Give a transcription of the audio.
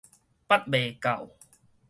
識未到